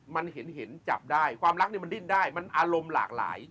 มันเห็นจับได้ความรักเนี่ยมันดิ้นได้มันอารมณ์หลากหลาย